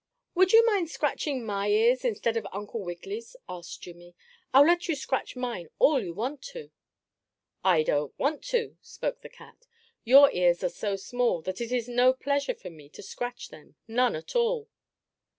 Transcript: "Would you mind scratching my ears, instead of Uncle Wiggily's?" asked Jimmie. "I'll let you scratch mine all you want to." "I don't want to," spoke the cat. "Your ears are so small that it is no pleasure for me to scratch them none at all."